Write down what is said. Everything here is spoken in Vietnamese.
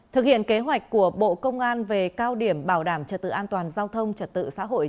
thực hiện kế hoạch của bộ công an về cao điểm bảo đảm trật tự an toàn giao thông trật tự xã hội